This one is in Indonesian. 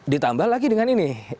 ditambah lagi dengan ini